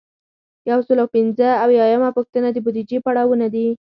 یو سل او پنځه اویایمه پوښتنه د بودیجې پړاوونه دي.